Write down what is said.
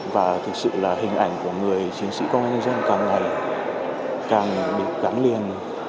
và thực sự là hình ảnh của người chiến sĩ công an nhân dân càng ngày càng được gắn liền